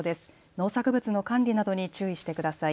農作物の管理などに注意してください。